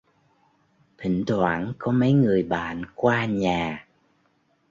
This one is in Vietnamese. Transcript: Thỉnh thoảng có mấy người bạn qua nhà